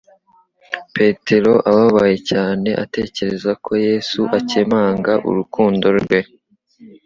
Petero ababaye cyane atekereza ko Yesu akemanga urukundo rwe.